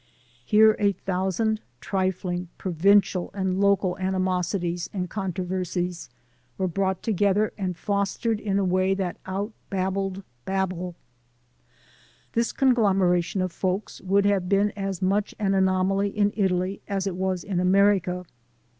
Here a thousand trifling, provincial and local ani mosities and controversies were brought together and fostered in a way that out Babeled Babel. This conglomeration of folks would have been as much an anomaly in Italy as it was in America.